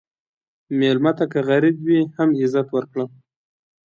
مېلمه ته که غریب وي، هم عزت ورکړه.